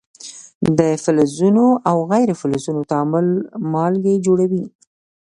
د فلزونو او غیر فلزونو تعامل مالګې جوړوي.